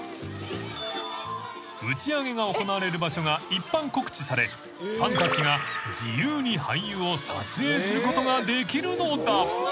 ［打ち上げが行われる場所が一般告知されファンたちが自由に俳優を撮影することができるのだ］